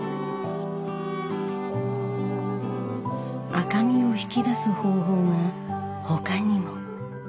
赤みを引き出す方法が他にも。